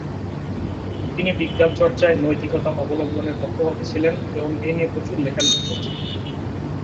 তিনি বিজ্ঞানচর্চায় নৈতিকতা অবলম্বনের পক্ষপাতী ছিলেন এবং এ নিয়ে প্রচুর লেখালেখি করেছেন।